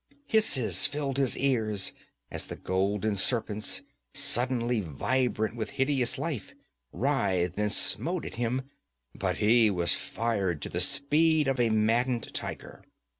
Hisses filled his ears as the golden serpents, suddenly vibrant with hideous life, writhed and smote at him. But he was fired to the speed of a maddened tiger.